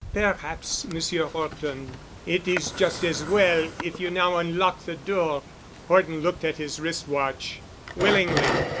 "Perhaps, Monsieur Horton, it is just as well if you now unlock the door." Horton looked at his wrist watch. "Willingly.